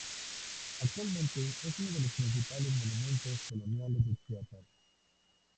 Actualmente es uno de los principales monumentos coloniales de Chiapas.